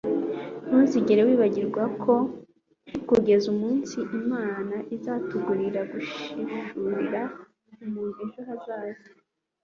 ntuzigere wibagirwa, ko kugeza umunsi imana izategurira guhishurira umuntu ejo hazaza